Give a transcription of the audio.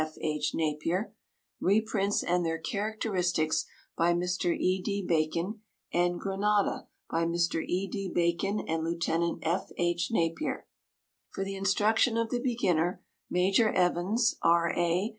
F. H. Napier; Reprints and their Characteristics, by Mr. E.D. Bacon; and Grenada, by Mr. E. D. Bacon and Lieut. F. H. Napier. For the instruction of the beginner, Major Evans, R.A.